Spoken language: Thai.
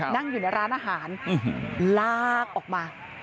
นั่งอยู่ในร้านอาหารลากออกมา